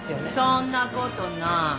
そんなことない。